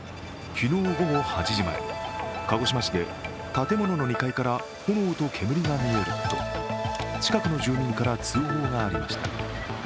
昨日午後８時前、鹿児島市で建物の２階から炎と煙が見えると近くの住民から通報がありました。